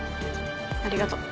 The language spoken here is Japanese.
ありがとう。